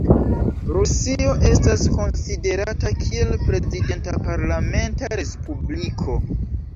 Rusio estas konsiderata kiel prezidenta-parlamenta respubliko.